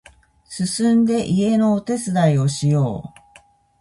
すすんで家のお手伝いをしよう